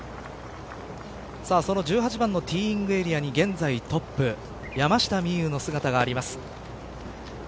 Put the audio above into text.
その１８番のティーイングエリアに現在トップ山下美夢有の姿があります。